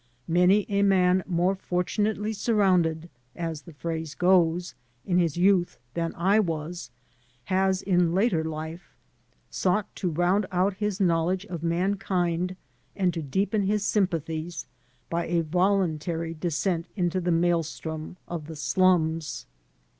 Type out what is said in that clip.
Many a man more fortunately surroimded (as the phrase goes) in his youth than I was has, in later life, sought to round out his knowledge of mankind and to deepen his sympathies by a voluntary descent into the maelstrom of the slums.